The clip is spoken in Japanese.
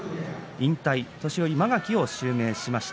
引退、年寄間垣を襲名しました。